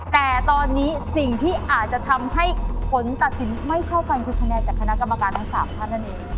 แต่ตอนนี้สิ่งที่อาจจะทำให้ผลตัดสินไม่เท่ากันคือคะแนนจากคณะกรรมการทั้ง๓ท่านนั่นเอง